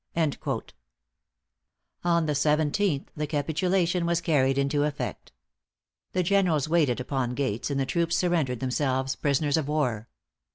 '"= On the seventeenth, the capitulation was carried into effect. The generals waited upon Gates, and the troops surrendered themselves prisoners of war.